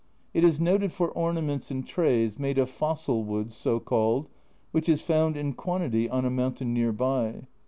It is noted for ornaments and trays made of fossil wood so called, which is found in quantity in a mountain near by.